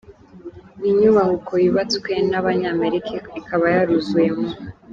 Ni inyubako yubatswe n’Abanyamerika ikaba yaruzuye mu .